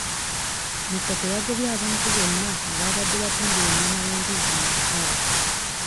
Musoke yagobye abantu bonna ababadde batundira ennyama y'embizzi mu katale.